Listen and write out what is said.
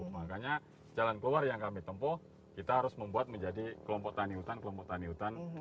makanya jalan keluar yang kami tempuh kita harus membuat menjadi kelompok tani hutan kelompok tani hutan